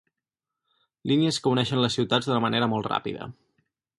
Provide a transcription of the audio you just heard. Línies que uneixen les ciutats d'una manera molt ràpida.